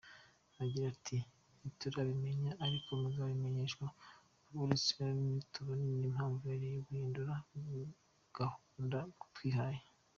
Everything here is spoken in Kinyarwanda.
Agira ati “Ntiturabimenya ariko muzabimenyeshwa vuba uretse ko ntabona n’impamvu Rayon yahindura gahundatwihaye”.